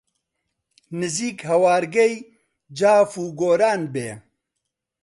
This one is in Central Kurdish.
نزیک هەوارگەی جاف و گۆران بێ